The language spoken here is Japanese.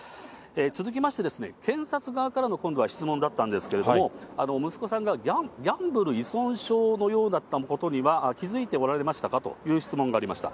続きまして、検察側からの今度は質問だったんですけれども、息子さんがギャンブル依存症のようだったことには気付いておられましたかという質問がありました。